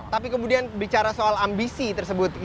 tapi kemudian bicara soal ambisi tersebut